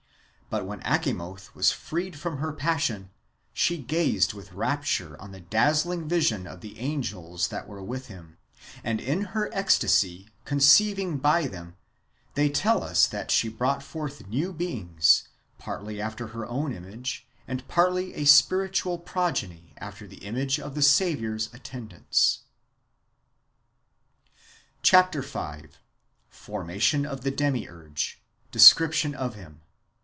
But when Achamoth was freed from her passion, she gazed with rapture on the dazzling vision of the angels that were wath him ; and in her ecstasy, conceiving by them, they tell us that she brought forth new beings, partly after her own image, and partly a spiritual progeny after the image of the Saviour's attendants. Chap. v. — Formation of the Demiurge ; descrij^tion of Jam.